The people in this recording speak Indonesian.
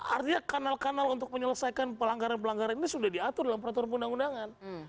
artinya kanal kanal untuk menyelesaikan pelanggaran pelanggaran ini sudah diatur dalam peraturan undang undangan